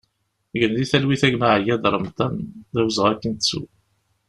Gen di talwit a gma Ayad Remḍan, d awezɣi ad k-nettu!